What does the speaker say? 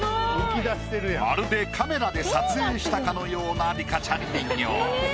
まるでカメラで撮影したかのようなリカちゃん人形。